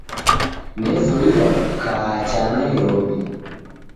Nezoiya kukaa cha Mairobi